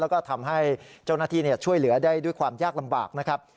แล้วก็ทำให้เจ้าหน้าที่ช่วยเหลือได้ด้วยความยากลำบากนะครับ